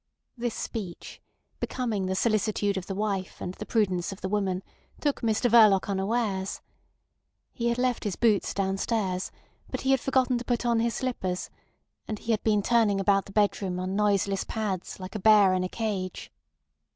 This speech, becoming the solicitude of the wife and the prudence of the woman, took Mr Verloc unawares. He had left his boots downstairs, but he had forgotten to put on his slippers, and he had been turning about the bedroom on noiseless pads like a bear in a cage.